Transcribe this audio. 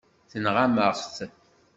Tenɣam-aɣ-t.